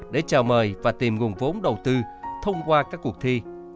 để chào mời và tìm nguồn vốn đầu tư thông qua các cuộc thi